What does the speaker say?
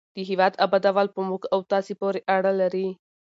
د هېواد ابادول په موږ او تاسو پورې اړه لري.